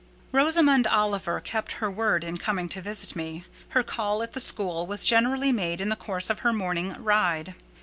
Rosamond Oliver kept her word in coming to visit me. Her call at the school was generally made in the course of her morning ride.